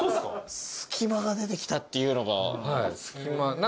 「スキマ」が出てきたっていうのが。